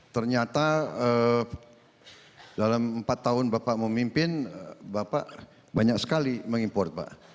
ternyata dalam empat tahun bapak memimpin bapak banyak sekali mengimport pak